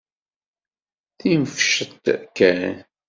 D tinefcect kan.